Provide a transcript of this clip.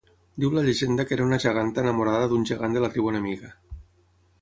Diu la llegenda que era una geganta enamorada d'un gegant de la tribu enemiga.